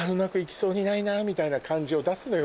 みたいな感じを出すのよ